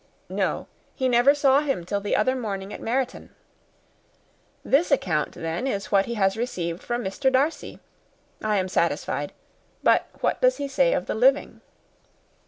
"No; he never saw him till the other morning at Meryton." "This account then is what he has received from Mr. Darcy. I am perfectly satisfied. But what does he say of the living?"